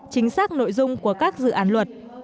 chính xác nội dung của các dự án luật